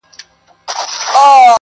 د خپل ښايسته خيال پر زرينه پاڼه.